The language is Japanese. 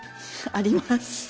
あります。